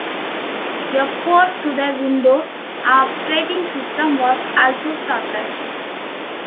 A port to the Windows operating system was also started.